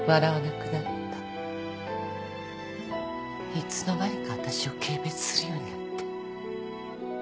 いつの間にかわたしを軽蔑するようになって。